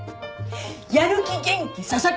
やる気元気佐々木！